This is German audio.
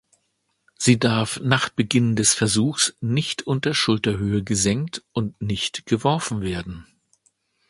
Sie darf nach Beginn des Versuchs nicht unter Schulterhöhe gesenkt und nicht geworfen werden.